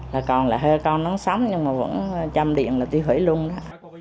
là còn là hơi con nóng sóng nhưng mà vẫn chăm điện là tiêu hủy luôn đó